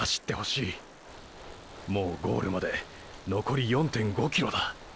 もうゴールまでのこり４．５ｋｍだ。